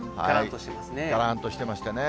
がらんとしていますね。